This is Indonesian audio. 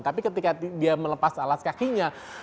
tapi ketika dia melepas alas kakinya